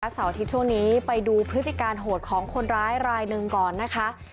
บางผู้เราที่วิทยาสวัสดีตอนนี้ไปดูพฤษฎิการโหดของคนร้ายรายหนึ่งก่อนนะคะ